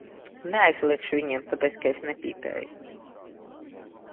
Neaizliegšu viņiem, tāpēc ka es nepīpēju.